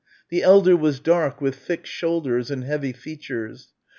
The elder was dark with thick shoulders and heavy features.